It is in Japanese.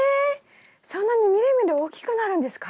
そんなにみるみる大きくなるんですか？